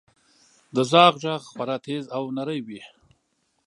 • د زاغ ږغ خورا تیز او نری وي.